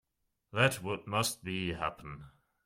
Let what must be, happen.